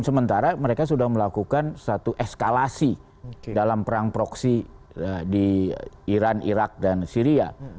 sementara mereka sudah melakukan satu eskalasi dalam perang proksi di iran irak dan syria